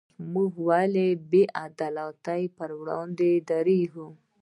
موږ ولې د بې عدالتۍ پر وړاندې دریږو؟